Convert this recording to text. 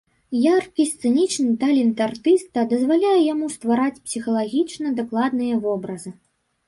Яркі сцэнічны талент артыста дазваляе яму ствараць псіхалагічна дакладныя вобразы.